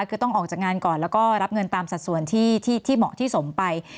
คือต้องออกจากงานก่อนแล้วก็รับเงินตามสัดส่วนที่เหมาะที่สมไป